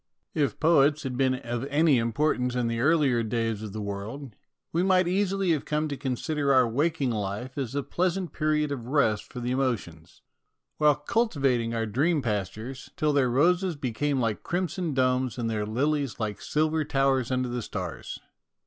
If poets had been of any importance in the earlier days of the world, we might easily have come to consider our waking life as a pleasant period of rest for the emotions, while cultivating our dream pastures, till their roses became like crimson domes and their lilies like silver towers under the stars.